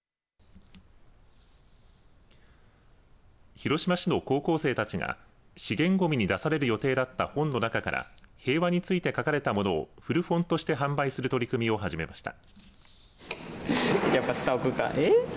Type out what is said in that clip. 広島市の高校生たちが資源ごみに出される予定だった本の中から平和について書かれたものを古本として販売する取り組みを始めました。